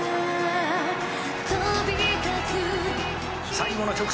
「最後の直線